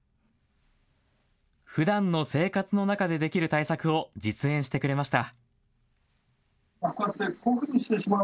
ふだんの生活の中でできる対策を実演してくれました。